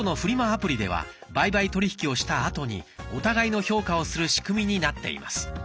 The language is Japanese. アプリでは売買取り引きをしたあとにお互いの評価をする仕組みになっています。